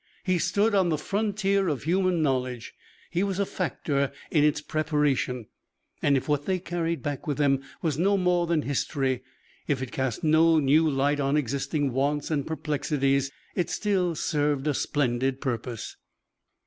He stood on the frontier of human knowledge. He was a factor in its preparation, and if what they carried back with them was no more than history, if it cast no new light on existing wants and perplexities, it still served a splendid purpose.